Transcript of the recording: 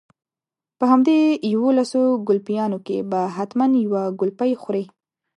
په همدې يوولسو ګلپيانو کې به حتما يوه ګلپۍ خورې.